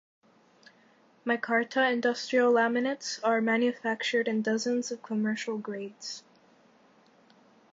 Micarta industrial laminates are manufactured in dozens of commercial grades.